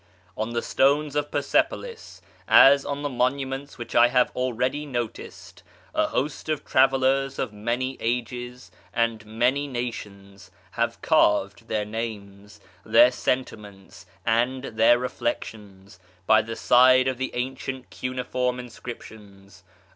On the stones of Persepolis, as on the monuments which I have already noticed, a host of travellers of many ages and many nations have carved their names, their sentiments, and their reflections, by the side of the ancient cuneiform inscriptions.